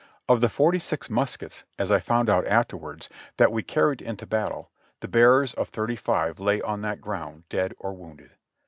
Of the forty six muskets, as I found out afterwards, that we carried into battle, the bearers of thirty five lay on that ground dead or wounded.